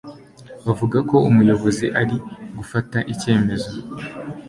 Bavuga ko Umuyobozi ari gufata icyemezo.